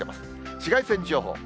紫外線情報。